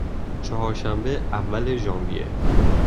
چهارشنبه، اول ژانویه